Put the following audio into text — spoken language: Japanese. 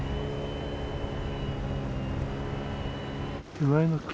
手前の木？